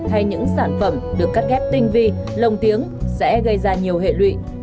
hay những sản phẩm được cắt ghép tinh vi lồng tiếng sẽ gây ra nhiều hệ lụy